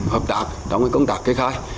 hợp tác đóng công tác cây khai